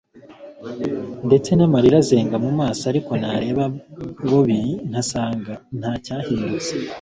ndetse namarira azenga mumaso ariko nareba bobi nkabona ntacyahindutse